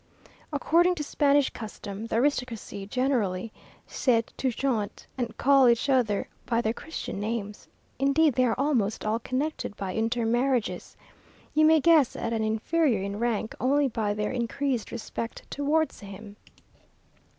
According to Spanish custom, the aristocracy generally se tutoient, and call each other by their Christian names; indeed, they are almost all connected by inter marriages. You may guess at an inferior in rank, only by their increased respect towards him.